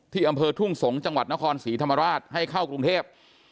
อำเภอทุ่งสงศ์จังหวัดนครศรีธรรมราชให้เข้ากรุงเทพ